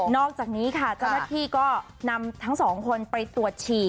อกจากนี้ค่ะเจ้าหน้าที่ก็นำทั้งสองคนไปตรวจฉี่